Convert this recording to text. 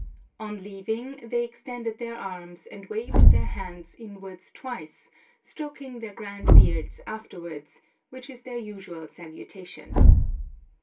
On leaving they extended their arms and waved their hands inwards twice, stroking their grand beards afterwards, which is their usual salutation.